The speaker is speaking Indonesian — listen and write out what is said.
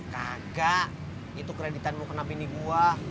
kagak itu kreditanmu kena pini gua